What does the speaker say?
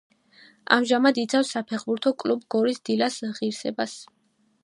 ამჟამად იცავს საფეხბურთო კლუბ გორის „დილას“ ღირსებას.